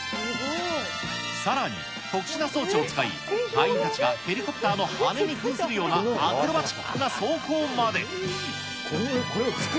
さらに特殊な装置を使い、隊員たちがヘリコプターの羽根にふんするようなアクロバティックな走行まで。